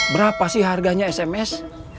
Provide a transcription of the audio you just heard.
berapa sih harganya sms